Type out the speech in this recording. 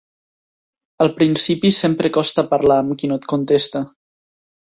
Al principi, sempre costa parlar amb qui no et contesta.